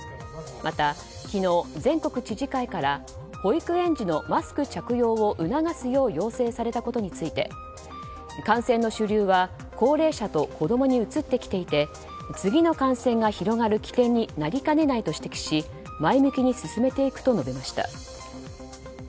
また昨日、全国知事会から保育園児のマスク着用を促すよう要請されたことについて感染の主流は高齢者と子供に移ってきていて次の感染が広がる起点になりかねないと指摘し前向きに進めていくと述べました。